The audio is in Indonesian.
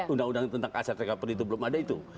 undang undang tentang aset recovery itu belum ada itu